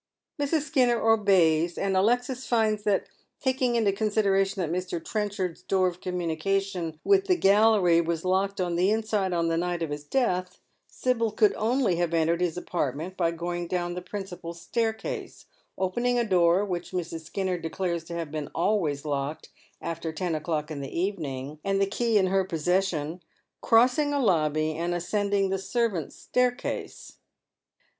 Mrs. Skinner obeys, and Alexis finds that, taking into considera tion that Mr. Trenchard's door of communication with the gallery was locked on the inside on the night of his death, Sibyl could only have entered his apartment by going down the principal staircase, opening a door which Mrs. Skinner declares to have been always locked after ten o'clock in the evening, and the key in her posses sion, crossing a lobby, and ascending the servants' staircase.